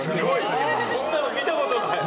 こんなの見たことない。